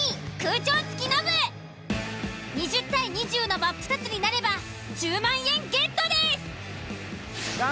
２０：２０のマップタツになれば１０万円ゲットです！